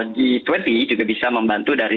g dua puluh juga bisa membantu dari